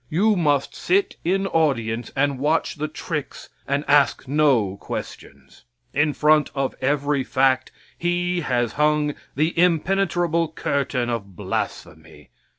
You must sit in audience and watch the tricks and ask no questions. In front of every fact He has hung the impenetrable curtain of blasphemy.